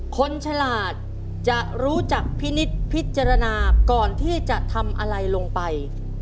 ฉลาดจะรู้จักพินิษฐ์พิจารณาก่อนที่จะทำอะไรลงไป